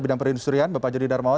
bidang perindustrian bapak jody darmawan